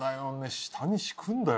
下に敷くんだよ